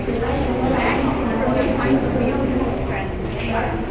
เราก็คงจะต้องยอมรับในสิ่งที่คือที่เรากำลังมา